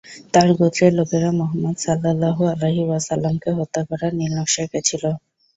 তার গোত্রের লোকেরা মুহাম্মাদ সাল্লাল্লাহু আলাইহি ওয়াসাল্লাম-কে হত্যা করার নীলনক্সা এঁকেছিল।